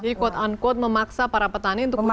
jadi quote unquote memaksa para petani untuk punya